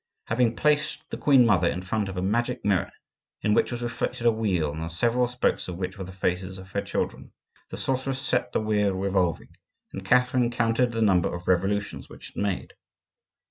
Having placed the queen mother in front of a magic mirror, in which was reflected a wheel on the several spokes of which were the faces of her children, the sorceress set the wheel revolving, and Catherine counted the number of revolutions which it made.